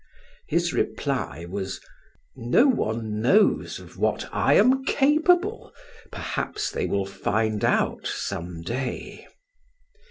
His reply was: "No one knows of what I am capable; perhaps they will find out some day."